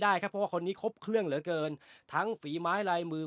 ครับเพราะว่าคนนี้ครบเครื่องเหลือเกินทั้งฝีไม้ลายมือ